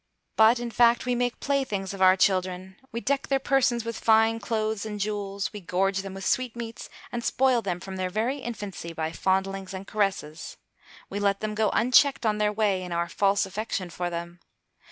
But, in fact, we make playthings of our children. We deck their persons with fine clothes and jewels, we gorge them with sweetmeats, and spoil them from their very infancy by fondlings and caresses. We let them go unchecked on their way in our false affection for them.